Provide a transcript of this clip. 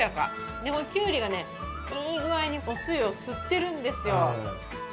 でも、きゅうりがね、いい具合につゆを吸ってるんですよ。